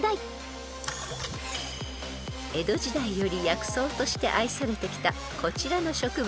［江戸時代より薬草として愛されてきたこちらの植物］